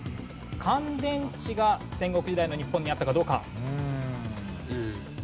乾電池が戦国時代の日本にあったかどうか？